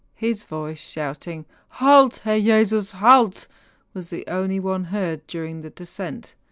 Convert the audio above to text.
His voice shouting, ^ Halt, Herr Jesus, halt r was the only one heard during the descent.